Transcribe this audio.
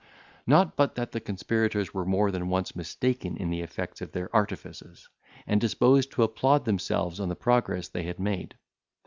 Not but that the conspirators were more than once mistaken in the effects of their artifices, and disposed to applaud themselves on the progress they had made.